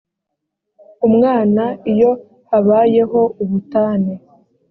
umwana iyo habayeho ubutane